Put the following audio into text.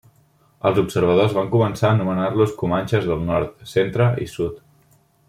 Els observadors van començar a anomenar-los comanxes del nord, centre i sud.